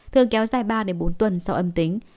thường kéo dài ba bốn tuần sau âm tính